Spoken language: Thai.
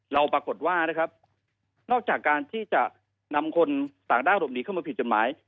ปรากฏว่านะครับนอกจากการที่จะนำคนต่างด้าวหลบหนีเข้ามาผิดกฎหมาย